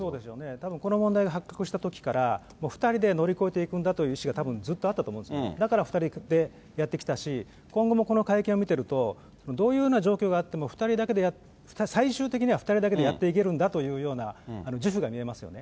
たぶんこの問題が発覚したときから、お２人で乗り越えていくんだという意思がたぶんずっとあったと思うんですけれども、だから２人でやってきたし、今後もこの会見を見てると、どういうような状況があっても２人だけで、最終的には２人だけでやっていけるんだというような自負が見えますよね。